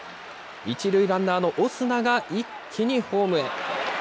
１塁ランナーのオスナが一気にホームへ。